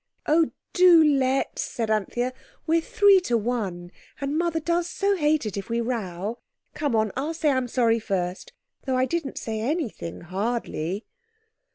"Oh, do let's," said Anthea, "we're three to one, and Mother does so hate it if we row. Come on. I'll say I'm sorry first, though I didn't say anything, hardly."